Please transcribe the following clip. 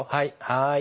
はい。